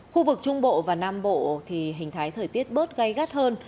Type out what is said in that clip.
khu vực trung bộ và nam bộ thì hình thái thời tiết bớt gây gắt hơn